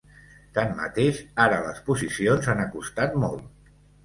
Tanmateix, ara les posicions s’han acostat molt.